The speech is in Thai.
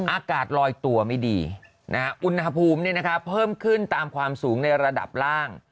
อากาศลอยตัวไม่ดีอุณหภูมิเพิ่มขึ้นตามความสูงในระดับล่าง